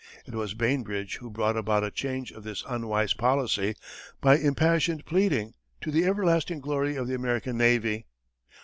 It was Bainbridge who brought about a change of this unwise policy by impassioned pleading, to the everlasting glory of the American navy.